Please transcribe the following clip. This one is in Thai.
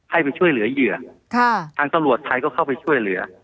ให้ไปช่วยเหลือเหยื่อทางตำรวจไทยก็เข้าไปช่วยเหลือ